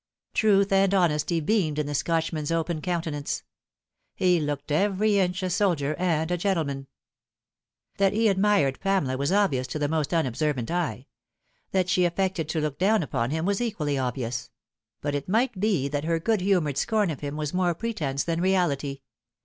Truth and honesty beamed in the Scotchman's open countenance. He looked every inch a soldier and a gentleman. That he admired Pamela was obvious to the most unobser vant eye ; that she affected to look down upon him was equally obvious ; but it might be that her good humoured scorn of him was more pretence than reality.